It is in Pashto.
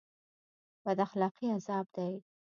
بد اخلاقي عذاب دی